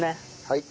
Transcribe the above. はい。